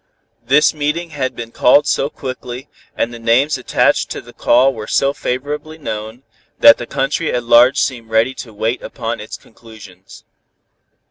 This meeting had been called so quickly, and the names attached to the call were so favorably known, that the country at large seemed ready to wait upon its conclusions.